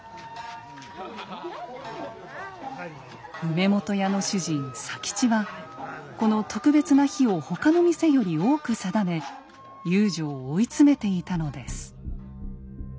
梅本屋の主人佐吉はこの特別な日を他の店より多く定め遊女を追い詰めていたのです。